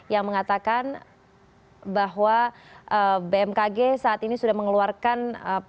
yang mengatakan bahwa bmkg saat ini sudah mengeluarkan